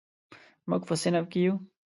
موږ په صنف کې یو.